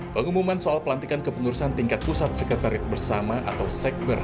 pengumuman soal pelantikan kepengurusan tingkat pusat sekretariat bersama atau sekber